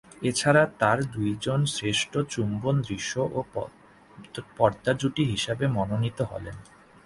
এছাড়া তার দুইজন শ্রেষ্ঠ চুম্বন-দৃশ্য ও পর্দা জুটি হিসেবে মনোনীত হন।